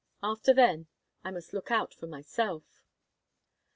After then, I must look out for myself."